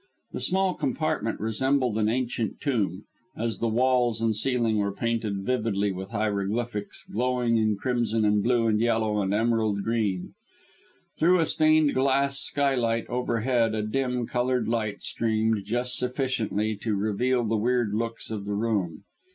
The small apartment resembled an ancient tomb, as the walls and ceiling were painted vividly with hieroglyphics, glowing in crimson and blue and yellow and emerald green. Through a stained glass skylight overhead a dim, coloured light streamed just sufficiently to reveal the weird looks of the room.